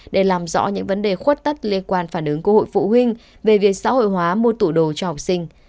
để làm rõ những vấn đề khuất tất liên quan phản ứng của hội phụ huynh về việc xã hội hóa mua tủ đồ cho học sinh